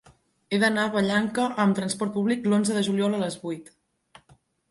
He d'anar a Vallanca amb transport públic l'onze de juliol a les vuit.